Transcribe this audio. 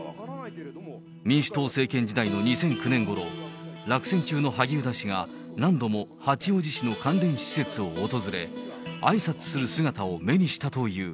民主党政権時代の２００９年ごろ、落選中の萩生田氏が何度も八王子市の関連施設を訪れ、あいさつする姿を目にしたという。